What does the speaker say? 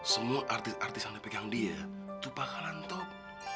semua artis artis yang dipegang dia tuh bakalan top